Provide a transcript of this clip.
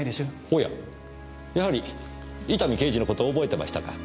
おややはり伊丹刑事の事を覚えてましたか。